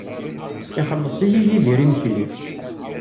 Ixelleṣ-iyi Yidir imekli.